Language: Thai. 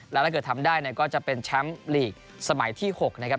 แล้วถ้าเกิดทำได้เนี่ยก็จะเป็นแชมป์ลีกสมัยที่๖นะครับ